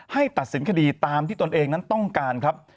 ตัดสินคดีตามที่ตนเองนั้นต้องการครับ